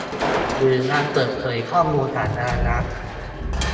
หรือวันเปิดเผยข้อมูลสาธารณะ